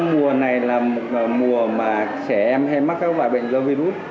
mùa mà trẻ em hay mắc các loại bệnh do virus